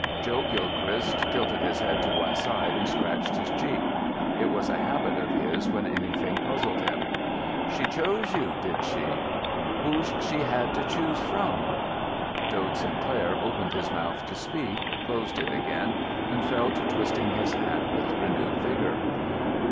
Joe Gilchrist tilted his head to one side and scratched his cheek. It was a habit of his when anything puzzled him. "She chose you, did she? Who's she had to choose from?" Dode Sinclair opened his mouth to speak, closed it again, and fell to twisting his hat with renewed vigour.